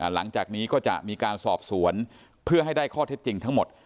หลังจากนี้ก็จะมีการสอบสวนเพื่อให้ได้ข้อเท็จจริงทั้งหมด